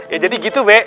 ya jadi gitu be